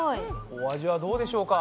お味はどうでしょうか？